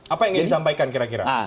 apa yang ingin disampaikan kira kira